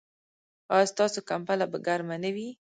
ایا ستاسو کمپله به ګرمه نه وي؟